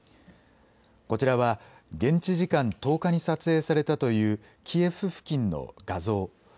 こちらは現地時間１０日に撮影されたというキエフ付近の画像。